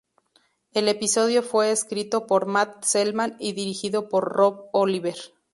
El episodio fue escrito por Matt Selman y dirigido por Rob Oliver.